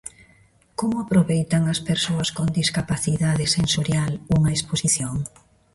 Como aproveitan as persoas con discapacidade sensorial unha exposición?